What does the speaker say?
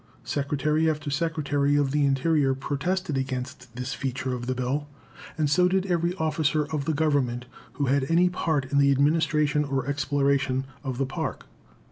Secretary after Secretary of the Interior protested against this feature of the bill, and so did every officer of the Government who had any part in the administration or exploration of the Park.